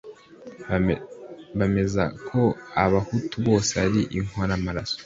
bemeza ko Abahutu bose ari inkoramaraso